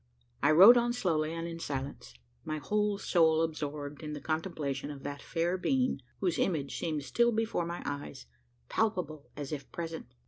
I rode on slowly and in silence my whole soul absorbed in the contemplation of that fair being, whose image seemed still before my eyes palpable as if present.